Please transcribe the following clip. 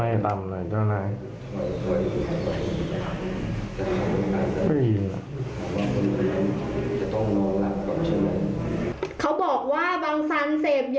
เขาบอกว่าบางสันต์เสพยาและก็เม้วยาข้างทาง